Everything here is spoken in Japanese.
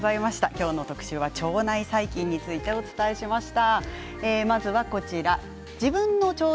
今日の特集は腸内細菌についてお伝えしました。